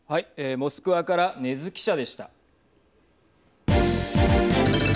モスクワから禰津記者でした。